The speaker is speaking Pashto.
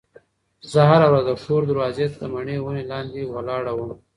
زه هره ورځ د کور دروازې ته د مڼې ونې لاندې ولاړه وم.